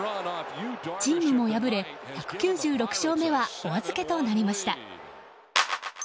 チームも敗れ１９６勝目はお預けとなりました。